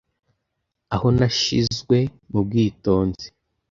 aho nashizwe mu bwitonzi